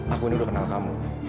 aku ini udah kenal kamu